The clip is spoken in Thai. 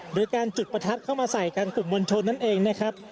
โดยการจุดประทัดเข้ามาใส่กันกลุ่มมวลชนนั่นเองนะครับ